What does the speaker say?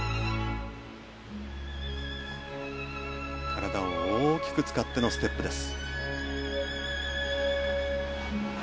体を大きく使ってのステップです。